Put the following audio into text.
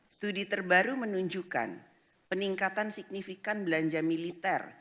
studi terbaru menunjukkan peningkatan signifikan belanja militer